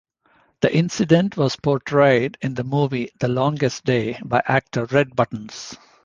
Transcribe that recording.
The incident was portrayed in the movie "The Longest Day" by actor Red Buttons.